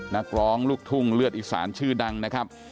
นักร้องลูกทุ่งเลือดอีสานชื่อดังนะครับ